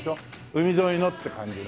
海沿いのって感じの。